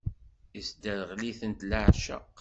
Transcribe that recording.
Isderɣel-itent leɛceq.